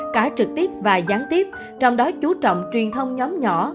cả trực tiếp và gián tiếp trong đó chú trọng truyền thông nhóm nhỏ